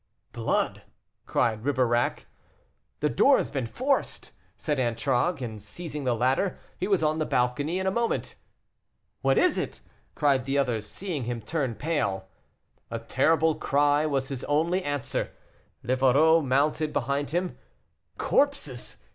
"Blood!" cried Ribeirac. "The door has been forced," said Antragues; and seizing the ladder, he was on the balcony in a moment. "What is it?" cried the others, seeing him turn pale. A terrible cry was his only answer. Livarot mounted behind him. "Corpses!